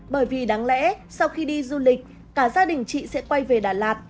bởi vì đáng lẽ sau khi đi du lịch cả gia đình chị sẽ quay về đà lạt